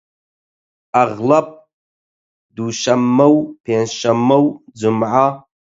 ئەغڵەب دووشەممە و پێنج شەممە و جومعە